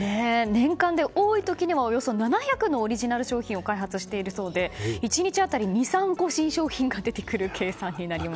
年間で多い時にはおよそ７００のオリジナル商品を開発しているそうで１日当たり２３個新商品が出てくる計算になります。